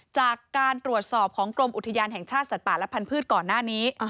จากการตรวจสอบของกรมอุทยานแห่งชาติสัตว์ป่าและพันธุ์ก่อนหน้านี้